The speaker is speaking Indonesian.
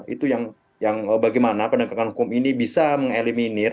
itu yang bagaimana penegakan hukum ini bisa mengeliminir